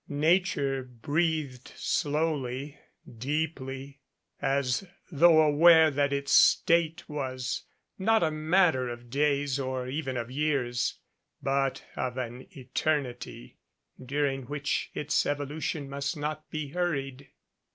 Na ture breathed slowly, deeply, as though aware that its state was not a matter of days or even of years, but of an eternity, during which its evolution must not be hurried.